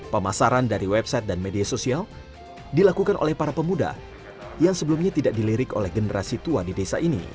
pemasaran dari website dan media sosial dilakukan oleh para pemuda yang sebelumnya tidak dilirik oleh generasi tua di desa ini